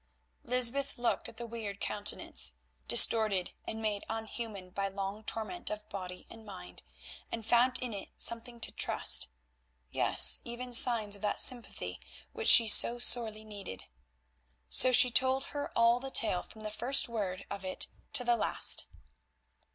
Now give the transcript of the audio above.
Lysbeth looked at the weird countenance, distorted and made unhuman by long torment of body and mind, and found in it something to trust; yes, even signs of that sympathy which she so sorely needed. So she told her all the tale from the first word of it to the last.